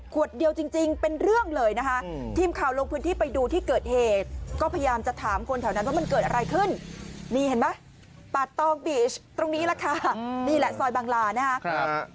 เดียวจริงเป็นเรื่องเลยนะคะทีมข่าวลงพื้นที่ไปดูที่เกิดเหตุก็พยายามจะถามคนแถวนั้นว่ามันเกิดอะไรขึ้นนี่เห็นไหมปาดตองบีชตรงนี้แหละค่ะนี่แหละซอยบางลานะครับ